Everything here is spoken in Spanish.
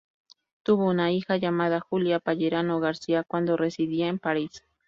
Tuvo una hija llamada Julia Pellerano García, cuando residía en París.